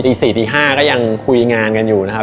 ตี๔ตี๕ก็ยังคุยงานกันอยู่นะครับ